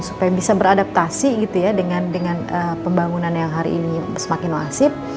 supaya bisa beradaptasi gitu ya dengan pembangunan yang hari ini semakin masif